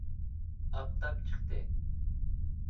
ئاپتاپ چىقتى